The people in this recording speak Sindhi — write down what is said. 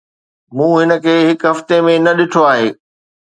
مون هن کي هڪ هفتي ۾ نه ڏٺو آهي.